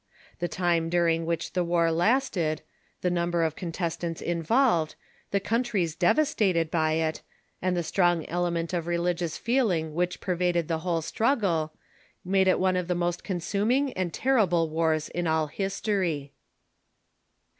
The time during which the war lasted, the number of contestants involved, the countries devastated by it, and the strong element of religious feeling which pervaded the whole struggle, made it one of the most consuming and ter rible wars in all history.